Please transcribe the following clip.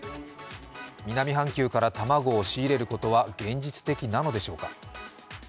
南半球から卵を仕入れることは現実的なんでしょうか。